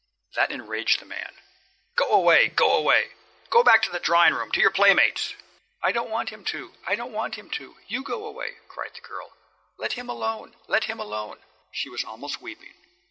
That enraged the man. "Go away! Go away! Go back to the other room, to your playmates." "I don't want him to. I don't want him to! You go away!" cried the girl. "Let him alone! Let him alone!" She was almost weeping.